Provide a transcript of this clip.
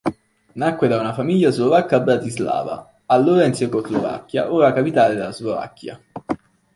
Nacque da una famiglia slovacca a Bratislava, allora in Cecoslovacchia, ora capitale della Slovacchia.